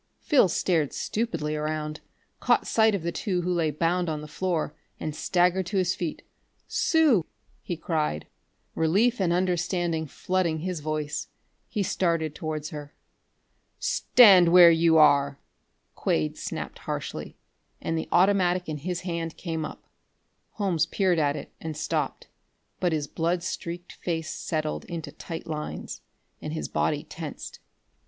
Phil stared stupidly around, caught sight of the two who lay bound on the floor, and staggered to his feet. "Sue!" he cried, relief and understanding flooding his voice. He started towards her. "Stand where you are!" Quade snapped harshly, and the automatic in his hand came up. Holmes peered at it and stopped, but his blood streaked face settled into tight lines, and his body tensed.